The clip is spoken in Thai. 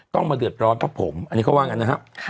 มาเดือดร้อนเพราะผมอันนี้เขาว่างั้นนะครับ